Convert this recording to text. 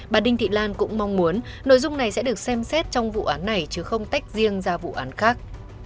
bà đinh thị lan cũng mong muốn nội dung này sẽ được xem xét trong vụ án này chứ không tách riêng ra vụ án khác